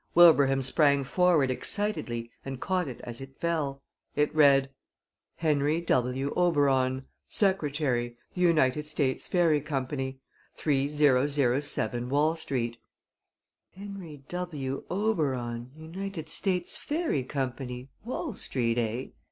Wilbraham sprang forward excitedly and caught it as it fell. It read: HENRY W. OBERON Secretary, The United States Fairy Co., 3007 Wall Street "Henry W. Oberon, United States Fairy Company, Wall Street, eh?"